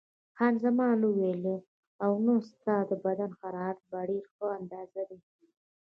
خان زمان وویل: اوه، نه، ستا د بدن حرارت په ډېره ښه اندازه دی.